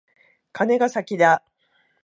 カネが先だ。